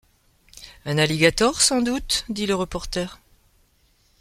Un alligator, sans doute ? dit le reporter.